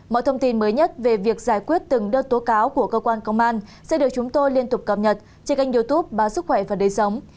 mọi thông tin mới nhất về việc giải quyết từng đơn tố cáo của cơ quan công an sẽ được chúng tôi liên tục cập nhật trên kênh youtube báo sức khỏe và đời sống